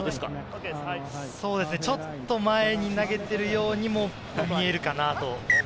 ちょっと前に投げているようにも見えるかなと。